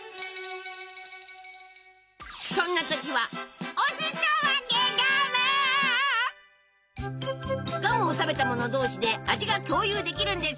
そんな時はガムを食べた者同士で味が共有できるんです！